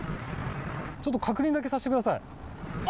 ちょっと確認だけさせてくだえ？